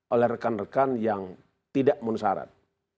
oleh rekan rekan yang tidak menusarat